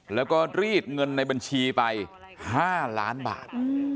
แล้วก็รีดเงินในบัญชีไป๕ล้านบาท